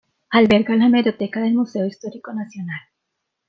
Alberga la hemeroteca del Museo Histórico Nacional.